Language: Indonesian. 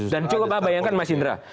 dan coba bayangkan mas indra